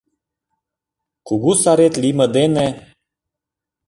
Кугу сарет лийме дене